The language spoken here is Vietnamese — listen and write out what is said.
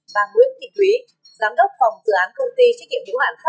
và nguyễn thị quý giám đốc phòng tự án công ty trí kiệm vũ hành